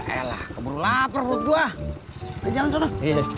elah keburu lapar buat gua jalan jalan